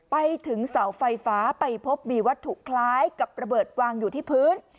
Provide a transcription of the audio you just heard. ไปถึงเสาไฟฟ้าไปพบมีวัตถุคล้ายกับระเบิดวางอยู่ที่พื้น